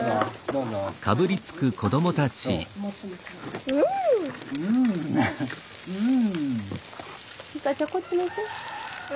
うん。